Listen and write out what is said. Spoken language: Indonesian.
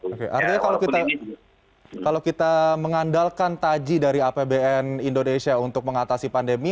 oke artinya kalau kita mengandalkan taji dari apbn indonesia untuk mengatasi pandemi